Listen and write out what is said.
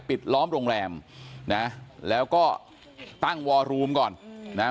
ปิดล้อมโรงแรมนะแล้วก็ตั้งวอรูมก่อนนะ